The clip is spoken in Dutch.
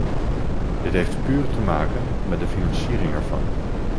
Dit heeft puur te maken met de financiering ervan.